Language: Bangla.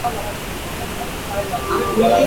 কাজটার মায়রে বাপ।